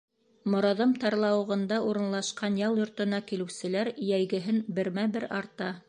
Мораҙым тарлауығында урынлашҡан ял йортона килеүселәр йәйгеһен бермә-бер арта.